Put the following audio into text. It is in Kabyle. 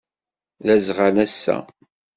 D azɣal ass-a.